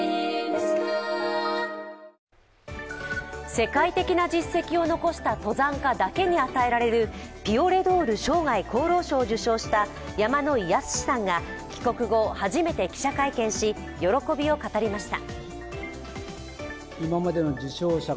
世界的な実績を残した登山家だけに与えられるピオレ・ドール生涯功労賞を受賞した山野井泰史さんが帰国後初めて記者会見し、喜びを語りました。